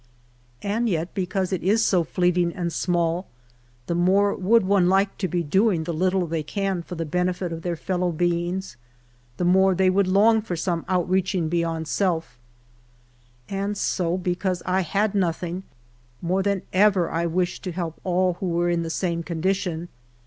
And yet because it is so fleeting and small, the more would one like to be doing the little they can for the benefit of their fellow beings, tlie more they would long for some outreaching beyond self. And so because I had nothing, more than ever I wished to help all who were in the same condition.